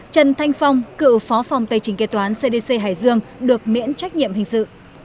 trần thanh phong cựu phó phòng tài chính kế toán cdc hải dương được miễn trách nhiệm hình sự